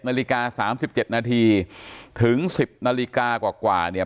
นาฬิกา๓๗นาทีถึง๑๐นาฬิกากว่าเนี่ย